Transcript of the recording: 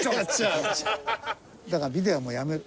だからビデはもうやめる。